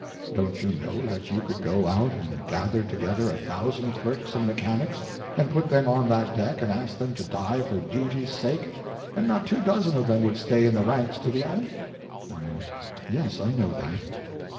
Don't you know that you could go out and gather together a thousand clerks and mechanics and put them on that deck and ask them to die for duty's sake, and not two dozen of them would stay in the ranks to the end? Y.M. Yes, I know that.